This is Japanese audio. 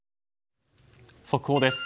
速報です。